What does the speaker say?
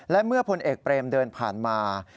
และเมื่อพลเอกเปรมเดินผ่านมา